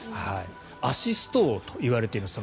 アシスト王といわれています。